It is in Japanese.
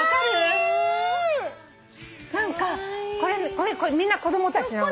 これみんな子供たちなのね。